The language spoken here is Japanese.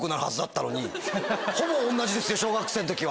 ほぼ同じですよ小学生の時は。